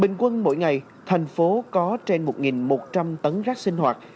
bình quân mỗi ngày thành phố có trên một một trăm linh tấn rác sinh hoạt